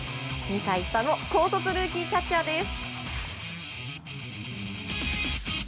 ２歳下の高卒ルーキーキャッチャーです。